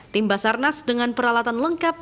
tim basarnas dengan peralatan lengkap